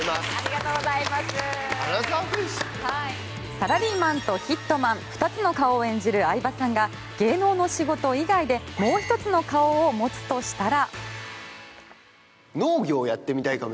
サラリーマンとヒットマン２つの顔を演じる相葉さんが芸能の仕事以外でもう１つの顔を持つとしたら。